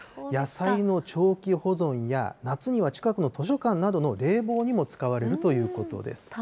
野菜の長期保存や、夏には近くの図書館などの冷房にも使われるということです。